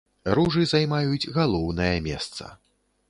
Ружы займаюць галоўнае месца.